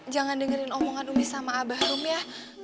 jangan dengerin omongan umi sama abah rum ya